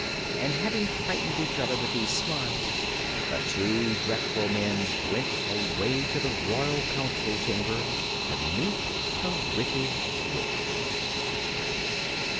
And having frightened each other with these smiles the two dreadful men went away to the Royal Council Chamber to meet the Wicked Witch.